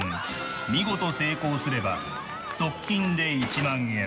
見事成功すれば即金で１万円。